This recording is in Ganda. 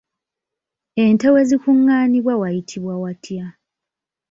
Ente we zikungaanira wayitibwa watya?